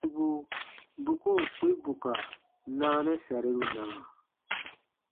Tɔnu sankubu bu koo kpĩ bù ka naanɛ sariru na?